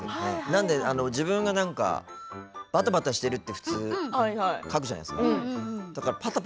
なんで、自分が「バタバタしてる」って普通書くじゃないですか。